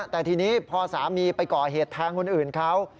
แต่ทีนี้พอสามีไปก่อเหตุแทงคนอื่นเขา